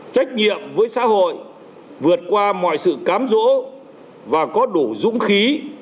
trách nhiệm với xã hội vượt qua mọi sự cám rỗ và có đủ dũng khí